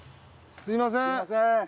すみません。